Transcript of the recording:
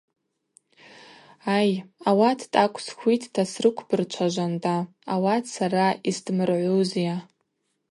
Ай, ауат тӏакӏв схвитта срыквбырчважванда, ауат сара йсдмыргӏузйа.